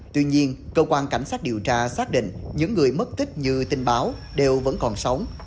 tuy nhiên cơ quan cảnh sát điều tra xác định những người mất tích như tin báo đều vẫn còn sống